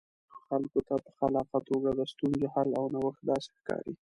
ډېرو خلکو ته په خلاقه توګه د ستونزې حل او نوښت داسې ښکاري.